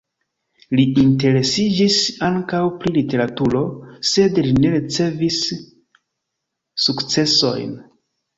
Li interesiĝis ankaŭ pri literaturo, sed li ne ricevis sukcesojn.